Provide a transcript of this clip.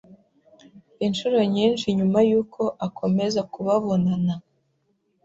Inshuro nyinshi nyuma yuko akomeze kubabonana